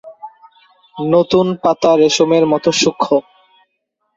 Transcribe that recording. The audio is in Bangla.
নতুন পাতা রেশমের মতো সূক্ষ্ম।